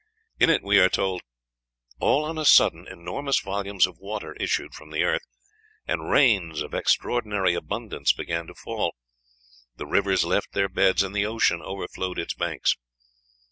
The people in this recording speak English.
In it we are told, "All on a sudden enormous volumes of water issued from the earth, and rains of extraordinary abundance began to fall; the rivers left their beds, and the ocean overflowed its banks."